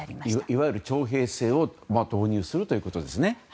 いわゆる徴兵制を導入するということですね。